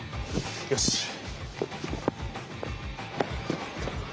よし。